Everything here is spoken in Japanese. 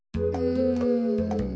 うん。